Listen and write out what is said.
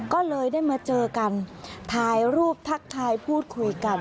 ก็เลยได้มาเจอกันถ่ายรูปทักทายพูดคุยกัน